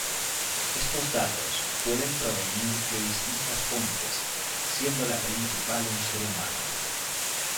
Estos datos pueden provenir de distintas fuentes, siendo la principal un ser humano.